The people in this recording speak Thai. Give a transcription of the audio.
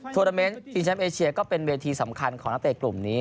โทรเตอร์เม้นท์ทีมชาติเอเชียก็เป็นเวทีสำคัญของนักเรียกกลุ่มนี้